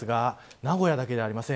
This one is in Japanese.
名古屋だけではありません。